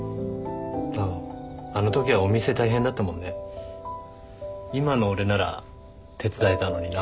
あああのときはお店大変だったもんね。今の俺なら手伝えたのにな。